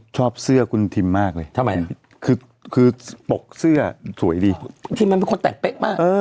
ชอบเสื้อคุณทิมมากเลยที่มันเป็นคนแตกเป๊ะมาก